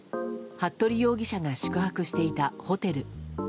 服部容疑者が宿泊していたホテル。